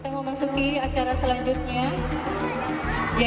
kita mau masukin acara selanjutnya